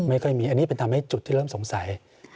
อันนี้เป็นทำให้จุดที่เริ่มสงสัย